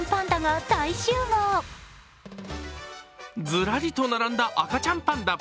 ずらりと並んだ赤ちゃんパンダ。